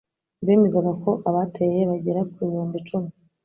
bemezaga ko abateye bagera ku bihumbi icumi